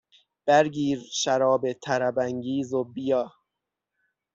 بر گیر شراب طربانگیز و بیا